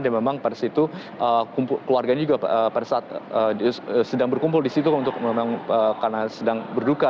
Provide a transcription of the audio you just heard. dan memang pada saat itu keluarganya juga sedang berkumpul di situ karena sedang berduka